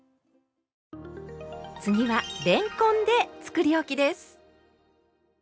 次はれんこんでつくりおきです。